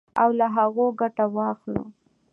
او له هغو ګټه واخلو.